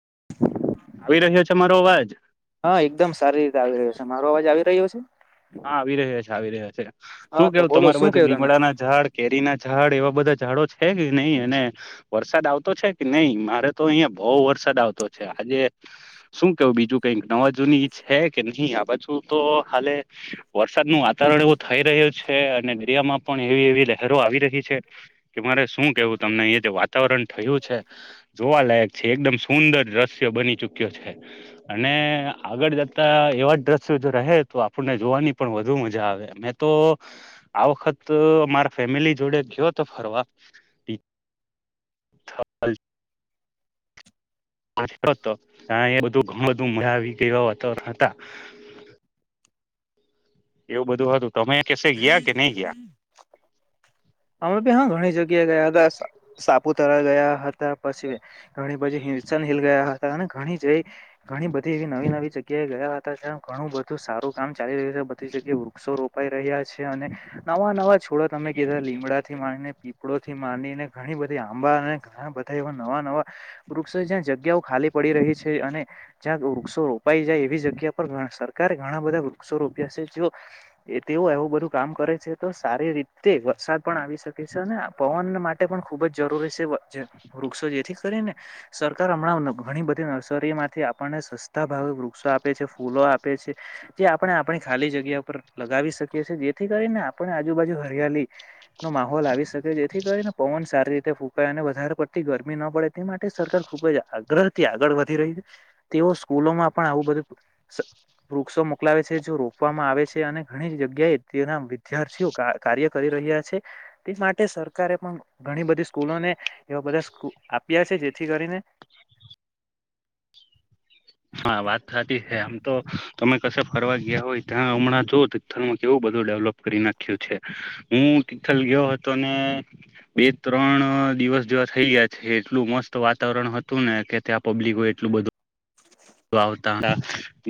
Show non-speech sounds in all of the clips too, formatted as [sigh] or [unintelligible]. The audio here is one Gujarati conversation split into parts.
[inaudible] આવી રહ્યો છે મારો અવાજ હા, એકદમ સારી રીતે આવી રહ્યો છે મારો અવાજ આવી રહ્યો છે હા આવી રહ્યા છે આવી રહ્યા છે. શું હા તો કેવું બોલો તમારા શું બાજુ કેવું તમે લીમડા ના ઝાડ કેરી ના ઝાડ એવા બધા ઝાડો છે કે નહીં અને વરસાદ આવતો છે કે નહીં મારે તો અહિયાયા બઉ વર્ષ વરસાદ આવતો છે. આજે શું કેવું બીજું કઈક નવા જૂની છે કે નહી આ પછું તો હાલે વરસાદનું વાતાવરણ એવું થઈ રહ્યું છે અને દરિયામાં પણ એવી એવી લહેરો આવી રહી છે કે મારે શું કેવું તમને અહયા જે વાતાવરણ થયું છે. જોવા લાયક છે છે એકદમ સુંદર દ્રશ્યો બની ચુક્યો છે અને આગળ જતા એવા જ દ્રશ્યો જો રહે તો આપ આપને જોવાની પણ વધુ મજા આવે. મેં તો આ વખત મારા ફેમિલી જોડે ગયો તો ફરવા નાચતો હતો ત્યા એ બધું ઘૂમ બધું મજા આવી ગયો હતો હતા એવું બધું હતું કસે ગયા કે નહી ગયા અમે ભી હા ઘણી જગ્યા ગયા હતા સાપુતારા ગયા હતા પછી ઘણી બધી વિરલસન હિલ ગયા હે અને ઘણી જઈ ઘણી બધી એવી નવી નવી જગ્યાએ ગયા હતા ત્યા ઘણું બધું સારું કામ ચાલી રહ્યા છે બધી જગ્યા વૃક્ષો રોપાઈ રહ્યા છે અને નવા નવા છોડો તમે કીધા લીમડાથી માને પીપળો માંનીને ઘણી બધી આંબા અને ઘણા બધા એવા નવા નવા વૃક્ષો જ્યાં જગ્યાઓ ખાલી પડી રહી છે અને જ્યાં વૃક્ષો રોપાઈ જાય એવી જગ્યા પર સરકારે ઘણા બધા વૃક્ષો રોપ્યા છે જે એ તેવું આવવું બધું વધું કામ કરે છે તો સારી રીતે વરસાદ પણ આવી શકે છે અને પવન માટે પણ ખૂબ જ જરૂરી છે. જે વૃક્ષો જેથી ને સરકાર હમણાં ઘણી બધી નર્સરીમાંથી આપણને સસ્તા ભાવે વૃક્ષો આપે છે, ફૂલો આપે છે, જે આપણે આપણી ખાલી જગ્યા ઉપ લગાવી શકીએ છીએ જે જેથી કરીને આપણે આજુબાજુ હરિયાળલીનો માહોલ આવી શકે જેથી કરીને પવન સારી રીતે ફૂંકાય વધ પડતી ગરમી ન પડે તે માટે સરકાર ખુબ જ આગ્રહ થી આગળ વધી રહી છે. તેઓ સ્કૂલો માં પણ આવું બધું વૃક્ષો મોકલાવે છે, જે રોપવામાં આવે છે અને ઘણી જગ્યાએ તેના વિદ્યાર્થીઓ કાર્ય કર રહ્યા છે તે માટે સરકારે પણ ઘણી બધી સ્કૂલોને એવા બધા આપ્યા છે, જેથી કરીને હા વાત સાચી છે આમ તો તમે કશે ફરવા ગયા હોય ત્યાં હમણાં જો તથલમાં કેવું બધ ડેવલપ કરી નાખ્યું છે, હું તિથલ ગયો હતો અને બે ત્રણ દિવસ જેવા થઈ ગયા છે, એટલું મસ્ત વાતાવરણ હતું ને કે ત્યાં પબ્લિકો એટલું બધું આવતા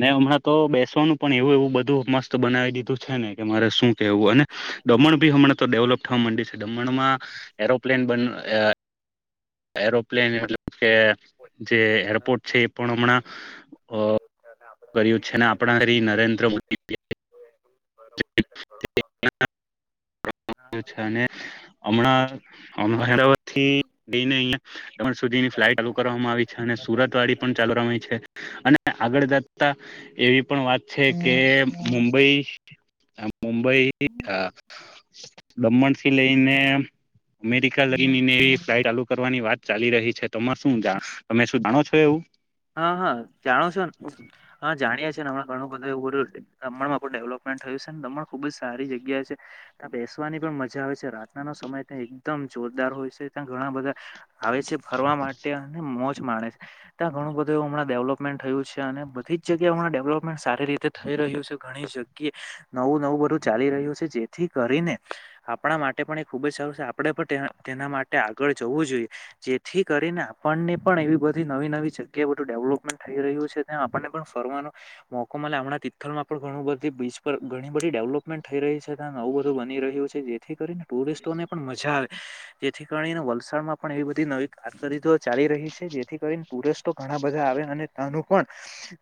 ન હમણાં તો બેસવાનું પણ એવું એવું બધું મસ્ત બનાવી દીધું છે ને કે રે શું કેહેવું અને દમણ ભી હમણાં તો ડેવલપ થવા માંડી છે દમણ માં એરોપ્લેન બન એરોપ્લેન એટલ કે જે એરપોર્ટ છે એ પણ હમણાં અ કર્યું છે ને આપણારી નરેન્દ્ર મોદી [inaudible] અને હમણા થી લઈને અહિયાં તણ સુધીની ફ્લાઇટ ચાલુ કરવામાં આવી છે અને સુરત આવી વાડી પણ ચાલુ છે. કરવામાં આવી છે અને આગળ જતા એવી પણ વાત છે કે મુંબઈ મુંબઈ દમણથી લઈને અમેરિકા લઈ ને એવી ફ્લાઇટ ચાલુ કરવાની વાત ચાલી રહી છે, તમાર શું જા તમે શું જાણો છો એવું હા હા જાણો છો ને હા જાણીએ ઘણું બધું એ દમણમાં ડેવપમેન્ટ થયું છે, દમણ ખુબ જ સારી જગ્યા છે ત બે સવાની પણ મજા આવે છે, રાતનાનો સમય ત્યાં એકદમ જોરદાર હોય છે ત્યાં ઘણા બધા આવે છે ફરવા માટે અને મોજ માણે છે ત્યાં ઘણું બધું એવું હમણાં ડેવલપમેન્ટ થયું છે. અને બધી જગ્યા હણા ડેવલપ સારી રીતે થઈ રહ્યું છે ઘણી જગ્યાએ નવું નવું બરું ચાલી રહ્યું છે જેથી કરીને આપણા માટે પણ એ ખુબ જ સારું છે. આપણે પણ તેના માટે આગળ જવું જોઈએ જેથી કરીને આપણને પણ એવી બધી નવી નવી છે. બધું ડેવલપમેન્ટ થઈ રહ્યું છે, ત્યાં આપણને પણ ફરવાનો મોકો મળે આપણાં તિથલમાં પણ ઘણું બધી ઘણી બધી ડેવલપમેન્ટ થઈ રહી છે, ત નવું બધું બની રહ્યું છે જેથી કરીને ટુરિસ્ટોને પણ મજા આવે જેથી કરીને વલસાડમાં પણ એવી બધી નવી કારકિર્દીો ચાલી રહી છે જેથી કરીને ટુરિસ્ટ ઘણા બધા આવે અને ત્યાનું પણ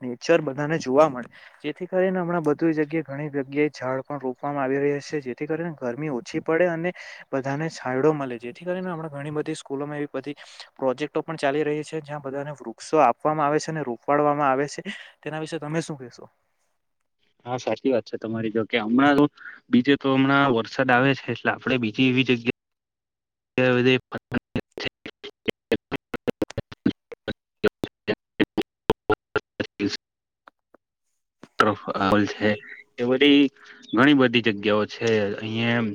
નેચર બધાને જોવા મળે જેથી કરીને હમણાં બધું ઘણી જગ્યાએ જળ પણ રોવામાં આવી રહ્યા છે, જેથી કરીને ગરમી ઓછી પડે અને બધાને છાયડો મળે, જેથી કરીને આપણા ઘણી બધી સ્કૂલોમાં એવી બધી પ્રોજેક્ટો પણ ચાલી રહી છે, જ્યાં બાને વૃો આપવામાં આવે છે અને રોપડવામાં આવે છે, તેના વિશે તમે શું કહેશો? હા. સાચી વાત છે. તમારી જો કે હમણાં બીજે તો હમણાં વરસાદ આવે છે એટલે આપડે બીજ વી જગ્યા [unintelligible] હલ છે એ બધી ઘણી બધી જગ્યાઓ છે અહિયાં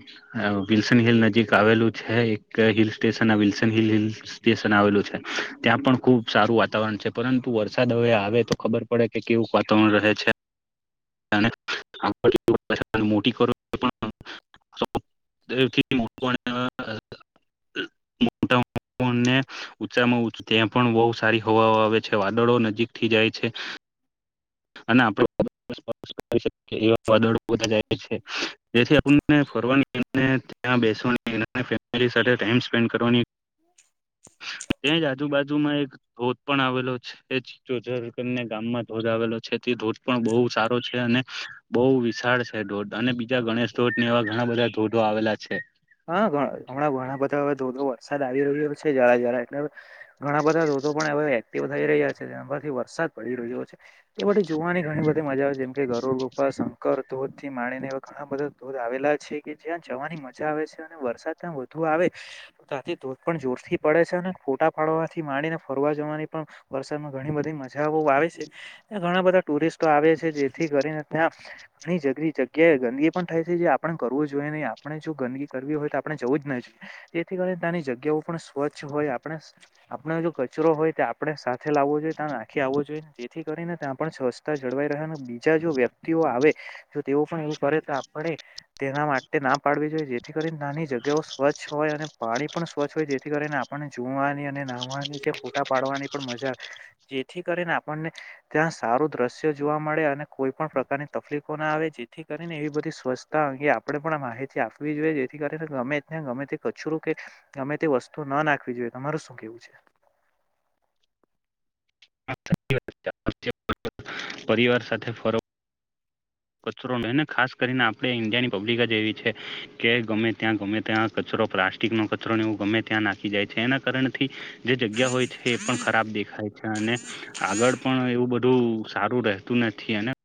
વિલ્સન હિલ નજીક આવેલું છે એક hill station Wilson hill hill station આવેલું છે. ત્યાં પણ ખુબ સારું વાતાવરણ છે, પરંતુ વરસાદ હવે આવે તો ખબર પડે કે કેવું વાતાવરણ રહે છે મોટી કરો પણ થી મોટ મોટા [unintelligible] ચામાંચ ત્યાં પણ બહુ સારી હવા આવે છે, વાદળો નજીકથી જાય છે, અને આપડું થી ફ [unintelligible] ત્યા બેસવાની અને ફેમિલી સાથે ટાઈમ સ્પેન્ડ કરવાની. ત્યાં જ આજુબાજુમાં એક ધોધ પણ આવેલો છે. જોજર કરીને ગામમાં ધોધ આવેલો છે તે ધોધ પણ બહુ સારો છે અને બહુ વિશાળ છે ધોધ અને બીજા ગણેશ ધોધ ને એવા ઘણા બધા ધોધો આવેલા છે. હા હમણાં ઘણા બધા ધોધો વરસાદ આવી રહ્યો છે જરા જરા એટલે ઘણા બધા ધોધો પણ હવે એક્ટીવ થઈ રહ્યા છે. જેનાથી વરસાદ પડી રહ્યો છે. એ બધું જોવાની ઘણી બધી મજા આવે જેમકે ગરુડ રૂપા શંકર ધોધ થી માણીને એવા ઘણા બધા ધોધ આવેલા છે. કે જ્યાં જવાની મજા આવે છે. અને વરસાદ ત્યાં વધુ આવે ત્યાંથી ધોધ પણ જોરથી પડે છે. અને ફોટા ફાડવાથી પાણી ફરવા જવાની પણ વરસાદમાં ઘણી બધી મજા આવે છે. ઘણા બધા ટુરિસ્ટો આવે છે જેથી કરીને ત્યાં ઘણી જ જગ્યાએ ગંદગી પણ થાય છે. જે આપણે કરવું જોઈએ નહી આપણે ગંદગી કરવી હોય તો આપણે જવું જ ના જોઈએ જેથી કરી તેની જગ્યાઓ પણ સ્વચ્છ હોય આપણે જો કચરો હોય તે આપણે સાથે લાવવો જોઈએ ત્યાં નાખી આવવો જોઈએને જેથી કરીને ત્યાં પણ સ્વચ્છ જળવાઈ રહે બીજા જો વ્યક્તિઓ આવે તેઓ પણ એવું કરે તો આપણે તેના માટે ના પાડવી જોઈએ જેથી કરીને નાની જગ્યાઓ સ્વચ્છ હોય અને પાણી પણ સ્વચ્છ હોય જેથી કરીને આપણને જોવાની અને ન્હાવાની જે ફોટા પાડવાની પણ મજા આવે જેથી કરીને આપણને ત્યાં સારું દ્રશ્ય જોવા મળે અને કોઈ પણ પ્રકારની તકલીફો ના આવે જેથી કરીને એવી બધી સ્વચ્છતા અંગે આપણે પણ માહિતી આપવી જોઈએ જેથી કરી ગમે ગમે તે કચરો કે ગમે તે વસ્તુ ન નાખવી જોઈએ તમારે શું કેવું? છે? [unintelligible] અચછા [unintelligible] પરિવાર સાથે ફરો. કચરો નઈ ને ખાસ કરીને આપણે ઈન્ડિયાની પબ્લિક જ એવી છે કે ગમે ત્યાં ગમે ત્યાં પ્લાસ્ટિક નો કચરો એવું ગમે ત્યાં નાખી જાય છે. એના કારણથી જે જગ્યા હોય છે. એ પણ ખરાબ દેખાય છે. અને આગળ પણ એવું બધું સારું રહેતું નથી. થી અને [unintelligible]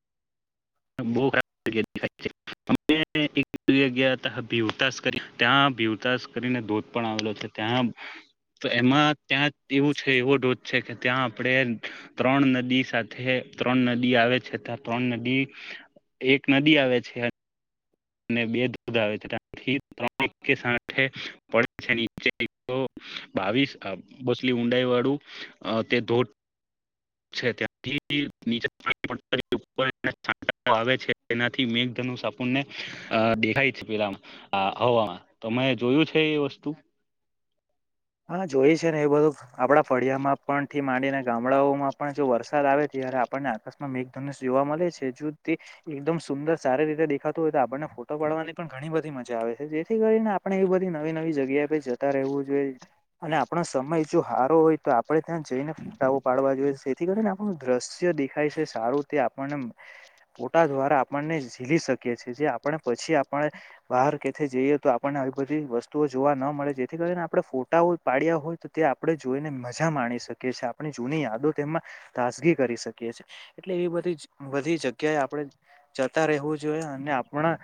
બહુ ખરાબ એક [unintelligible] જગ્યા હતા ભીવતાસ કરી ત્યાં ભીવતાસ કરીને ધોધ પણ આવેલો હતો ત્યાં તો એમાં ત્યાં એવું છે એવો ધોધ છે કે ત્યાં આપણે ત્રણ નદી સાથે ત્રણ નદી આવે છે. ત ત્રણ નદી એક નદી આવે છે બે ધોધ આવે છે. [unintelligible] ત્યાથી ત્રં પડે છે. નીચે બાવીસ બસલી ઊંડાઈ વાળું તે ધોધ છે [unintelligible] તયા થીની આવે છ. એનાથી મેઘ સાપુનને [unintelligible] દેખાય છે. પેલા હવામાં તમે જોયું છે એ વસ્તુ? હા જોય છે ને એ બધું આપડા ફળિયામાં પણ થી માંડીને ગામડાઓ પણ જો વરસાદ આવે ત્યારે આપણને આ મેઘધનુષ જોવા મળે છે. જો તે એકદમ સુંદર સારી રીતે દેખાતું હોય તો આપણને ફોટો પાડવાની પણ ઘણી બધી મજા આવે છે. જેથી કરીને આપણે એવી બધી નવી નવી જગ્યાએ જતા રહેવું જોઈએ. અને આપણો સમય જો હારો હોય તો આપણે ત્યાં જઈને ફટાવો પાડવા જોઈએ જેથી કરીને આપણે દ્રશ્ય દેખાય છે સારું તે આપણને ફોટા દ્વારા આપણને ઝીલી શકે છે જે આપણે પછી આપણે બહાર કેથી જઈએ તો આપણને આવી બધી વસ્તુઓ જોવા ન મળે જેથી કરી આપણે ફોટાઓ પાડ્યા હોય તો તે આપણે જોઈને મજા માણી શકીએ છીએ આપણી જૂની યાદો તેમમાં તાજગી કરી કરી શકીએ છીએ એટલે એ બધી બધી જગ્યાએ આપણે જતા રહેવું જોઈએ અને આપણા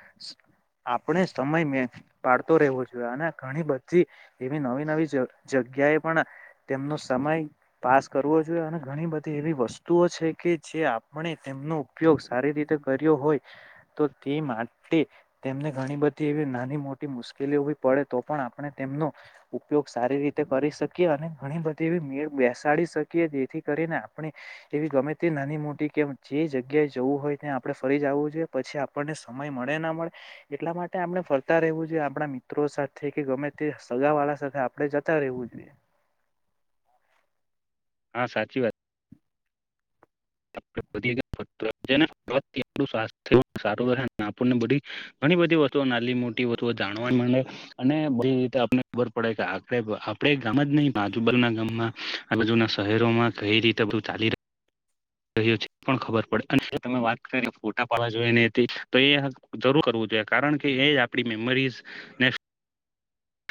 આપણે સમય મે પાડતો રહેવો જોઈએ અને ઘણી બધી એવી નવી નવી જગ્યાએ પણ તેમનો સમય પાસ કરવો જોઈએ અને ઘણી બધી એવી વસ્તુઓ છે કે જે આપણે તેમનો ઉપયોગ સારી રીતે કર્યો હોય તો તે માટે તેમને ઘણી બધી એવી નાની મોટી મુશ્કેલીઓ પડે તો પણ આપણે તેમનો ઉપયોગ સારી રીતે કરી શકીએ અને ઘણી બધી એવી મેળ બેસાડી શકીએ જેથી કરીને આપણે એવી ગમે તે નાની મોટી કે જે જગ્યાએ જવું હોય ત્યાં આપડે ફરી જ આવું જોઈએ પછી આપણને સમય મળે ના મળે એટલા માટે આપણે ફરતા રહેવું જોઈ આપણા મિત્રો સાથે કે ગમે તે સગાવાળા આપણે જતા રહેવું જોઈએ હા સાચી વાત [inaudible] [inaudible] બધી ઘણી બધી વસ્તુઓ નાલી મોટી એવું તો તો જાણવા મળે અને બધી રીતે આપને ખબર પડે કે આપડે ગામ જ નહી બાજુબ ના ગામમાં આ બાજુના શહેરોમાં કઈ રીતે બધું ચાલી રહ્યું રહ્યો છે પણ ખબર પડે અને તમે વાત કરીને ફોટા પાડવા જોઈએ ને હતી તો એ જરૂર કરવું જે કારણ કે એ આપણી મેમરીઝ ને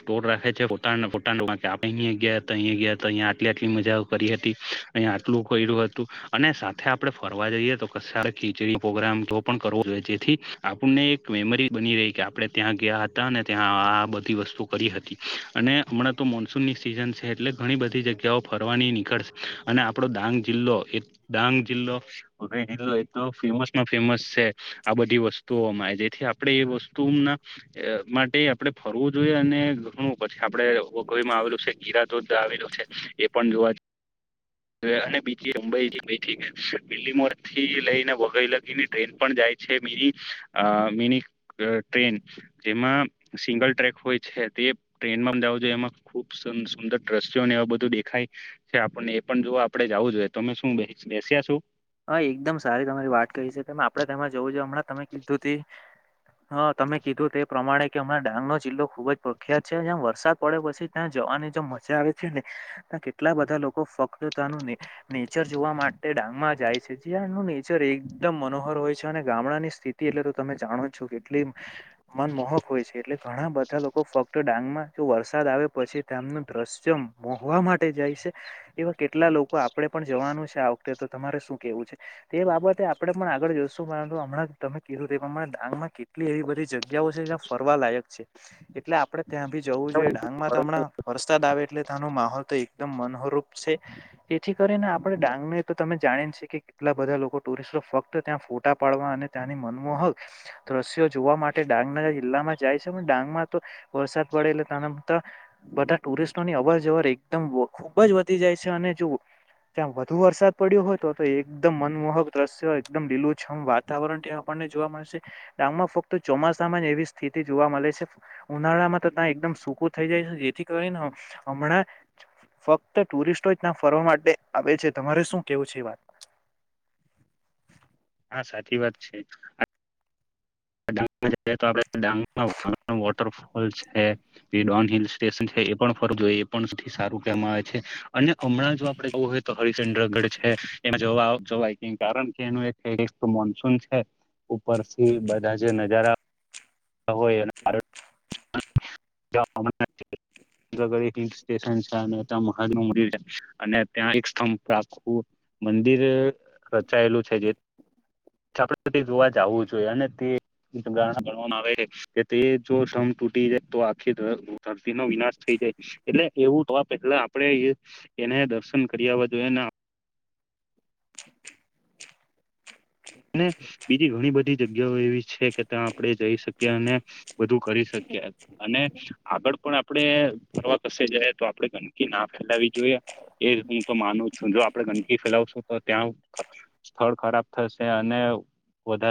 સ્ટોર રાખે છે ફોટા ના ફોટા પછી આપે અહી ગયા હતા અહી ગયા હતા અહીયા આટલી આટલી મજા કરી હતી. અહીંયા આટલું કર્યું હતું અને સાથે આપડે ફરવા જઈએ તો કશે આ ખીચડી પોગ્રામ તો પણ કરો હા રહે જેથી આપણને એક મેમરી બની રહી કે આપણે ત્યાં ગયા હતા અને ત્યાં આ બધી વસ્તુ કરી હતી અને હમણાં તો મોનસૂનની સિઝન છે એટલે ઘણી બધી જગ્યાઓ ફરવાની નીકળશે અને આપણો ડાંગ જિલ્લો એ ડાંગ જિલ્લો [inaudible] એતો ફેમસ નો ફેમસ છે. આ બધી વસ્તુઓમાં જેથી આપણે એ વસ્તુના અહ માટે આપડણે ફરવું જોઈએ અને ને ઘણું પછી આપડે ઓગમાં આવેલું છે ગીરા દો આવેલું છે એ પણ જોવા રે અને બી અંબઈ [inaudible] દિલ્લી મો થી લઈને વગઈ લગીની ટ્રેન પણ જાય છે મિની અહ મિની અહ ટ્રેન જેમાં સિંગલ ટ્રેક હોય છે તે ટ્રેન માં જવ જોઈએ એમાં ખુબ સું-સુંદર દ્રશ્યોને એવા બધું દેખાય છે આપણને પણ જો આપડે જાવું જોઈએ. તમે શું બેહ-બેસ્યા છો? હા એકદમ સારી તમારી વાત કહી છે આપણેે તેમાં જવું જો હમણાં તમે કીધું તે હા તમે કીધું તે પ્રમાણે કે હમાણા ડાંગ નો જિલ્લો ખુબ જ પ્રખ્યાત છે જ્યાં વરસાદ પડે પછી ત્યાં જવાની જો મજા આવે છે ને ના કેટલા બધા લોકો ફક્તનું નેચર જોવા માટે ડાંગમાં જાય છે જ્યાંનું નેચર એકદમ મનોહર હોય છે અને ગામડાની સ્થિતિ એટલે તો તમે જાણો છો કેટલી મન મોહક હોય છે એટલે ઘણા બધા લોકો ફક્ત ડાંગમાં જો વરસાદ આવે પછી ધામનું દ્ર દૃશ્યમ મોહવા માટે જાય છે. એવા કેટલા લોકો આપડે પણ જવાનું છે આ વખતે તો તમારે શું કેવું છે. તે બાબતે આપણે પણ આગળ જઈશું પરંતુ હમણાં તમે કધું તે પ્રમાણે ડાંગમાં કેટલી એવી બધી જગ્યાઓ છે જ્યાં ફરવા લાયક છે. એટલે આપડણે ત્યાં ભી જવું જોઈએ ડાંગમાં તો હમણા વરસાદ આવે એટલે ત્યાનો માહોલ તો એકદમ મનોહરૂપ છે. એથી કરીને આપણે ડાંગ ને એ તો તમે જાણી છીએ કે કેટલા બધા લોકો ટુરિસ્ટો ફક્ત ત્યાં ફોટા પાડવા અને ત્યાં મનમોહક દ્રશ્યો જોવા મા ટે ડાંગના જિલ્લામાં જાય છે ડાંગ માં તો વરસાદ પડે તા ના બધા બધા ટુરિસ્ટો ની અવર જવર એકદમ વ ખુબ જ વધી જાય છે અને જો ત્યાં વધુ વરસાદ પડ્યો હોય તો તો એકદમ મનમોહક દ્રશ્ય એકદમ લીલુંછમ વાતાવરણ ત્યા આપણને જોવા મળશે ડામમાં ફક્ત ચોમાસામાં જ એવી સ્થિતિ જોવા મલે છે ઉનાળામાં તો ત્યાં એકદમ સૂકો થઈ જાય છે જેથી કરીને હમણાં ફક્ત ટુરિસ્ટોના ફરવા માટે આવે છે. તમારે શું કેવું છે એ વાત? હા સાચી વાત છે. આ ડાંગમાં જઈ તો આપડે ડાંગમાં વા વોટરફોલ છે. ફિર બડોન હિલ સ્ટેશન છે. એ પણ ફરજો એ પણથી સારું કહેવામાં આવે છે. અને હમણાં જો આપડે ઓહે તો હરિચંદ્રગઢ છે એવા જો જોવાય કિન કારણ કે એનું એક મોનસૂન છે ઉપરથી બધા જ જે નજારા હોય [inaudible] [inaudible] [inaudible] એક હિલ સ્ટેશન છે અને ત્યાં મહાદેવ મંદિર છે અને ત્યાં એક સ્તંભ પ્રાપ્તું મંદિર રચાયેલું છે જે [inaudible] જોવા જોઈએ અને તે ગણવાનું આવે છે કે તે જો સન ટૂટી જાય તો આ થી ધર ધરતી નો વિનાશ થઈ જાય એટલે એવું તો આ પેલા આપડે એને દર્શન કર- [inaudible] બજુ એના અને બીજી ઘણી બધી જગ્યાઓ એવી છે કે ત્યાં આપણેે જઈ શકીએ અને બધું કરી શક ક્યાર અને આગળ પણ આપણેે ફરવા કસે જાય તો આપડે ગંદકી ના ફેલાવી જોઈએ. એ રીતની તો માનું છું જો આપડે ગંદકી ફેલાવશું તો ત્યાં સ્થળ ખરાબ થશ તે અને વધારે